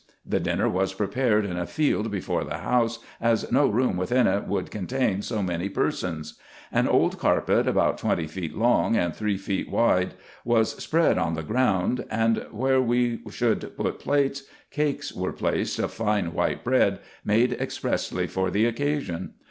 The dinner was prepared in a field before the house, as no room within it would contain so many persons. An old carpet, about twenty feet long and three wide, was spread on the ground ; and where we should put plates, cakes were placed of fine white bread, made expressly for the occasion.